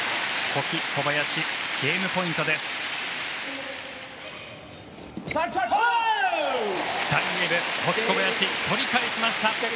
保木、小林、取り返しました。